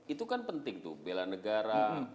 itu kan penting tuh bela negara